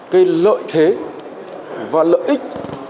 cái lợi thế và lợi ích